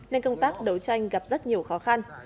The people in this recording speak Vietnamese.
nên công tác đấu tranh gặp rất nhiều khó khăn